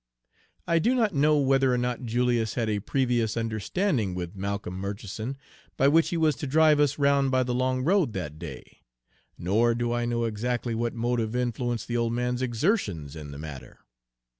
I do not know whether or not Julius had a previous understanding with Malcolm Murchison by which he was to drive us round by the long road that day, nor do I know exactly what motive influenced the old man's exertions in the matter.